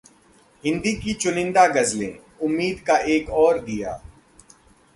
हिंदी की चुनिंदा गजलें: उम्मीद का एक और दीया